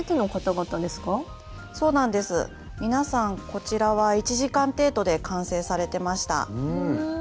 皆さんこちらは１時間程度で完成されてました。